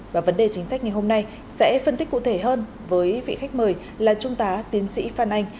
và vấn đề chính sách ngày hôm nay sẽ phân tích cụ thể hơn với vị khách mời là trung tá tiến sĩ phan anh